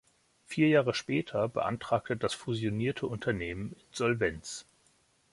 Vier Jahre später beantragte das fusionierte Unternehmen Insolvenz.